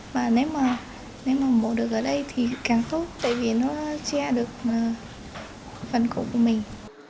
mà nếu mà mổ được ở đây thì càng tốt tại vì nó che được phần cổ của mình